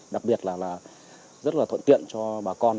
đặc biệt là rất là thuận tiện cho bà con